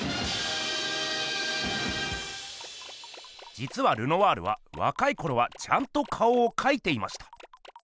じつはルノワールはわかいころはちゃんと顔をかいていました。